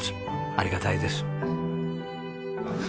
ありがたいです。